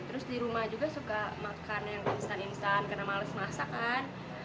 terus di rumah juga suka makan yang instan instan karena males masakan